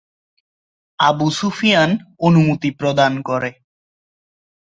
Abu Sufyan অনুমতি প্রদান করে।